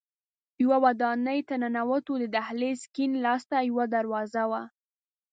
یوه ودانۍ ته ننوتو، د دهلېز کیڼ لاس ته یوه دروازه وه.